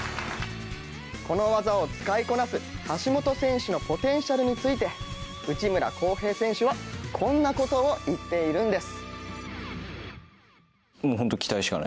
この技を使いこなす橋本選手のポテンシャルについて内村航平選手はこんなことを言っているんです。